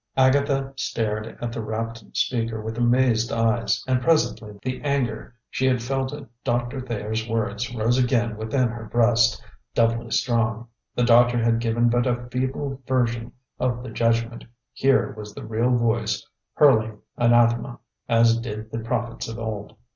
Agatha stared at the rapt speaker with amazed eyes, and presently the anger she had felt at Doctor Thayer's words rose again within her breast, doubly strong. The doctor had given but a feeble version of the judgment; here was the real voice hurling anathema, as did the prophets of old.